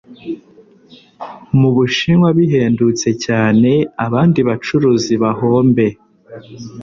mu Bushinwa bihendutse cyane, abandi bacuruzi bahombe.